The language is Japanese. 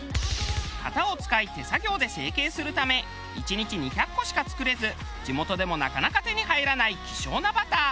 型を使い手作業で成型するため１日２００個しか作れず地元でもなかなか手に入らない希少なバター。